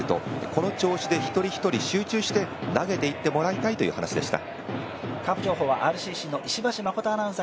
この調子で一人一人集中して投げていってもらいたいという話でした。